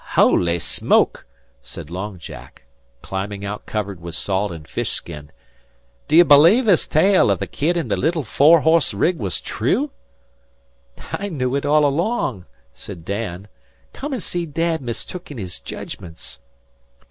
"Howly Smoke!" said Long Jack, climbing out covered with salt and fish skin. "D'ye belave his tale av the kid an' the little four horse rig was thrue?" "I knew it all along," said Dan. "Come an' see Dad mistook in his judgments."